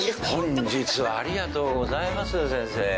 本日はありがとうございます先生。